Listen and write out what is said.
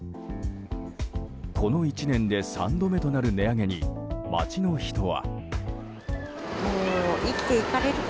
この１年で３度目となる値上げに街の人は。